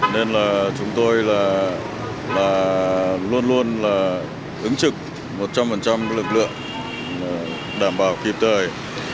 nên chúng tôi luôn luôn ứng trực một trăm linh lực lượng đảm bảo kịp thời